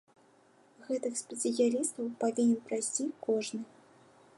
Гэтых спецыялістаў павінен прайсці кожны.